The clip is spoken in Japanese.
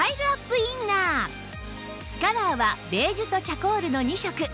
カラーはベージュとチャコールの２色